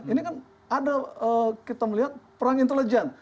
ini kan ada kita melihat perang intelijen